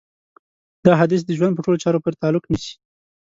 دا حديث د ژوند په ټولو چارو پورې تعلق نيسي.